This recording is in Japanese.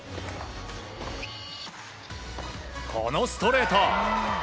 このストレート。